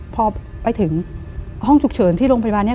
พอไปถึงห้องฉุกเฉินที่โรงพยาบาลนี้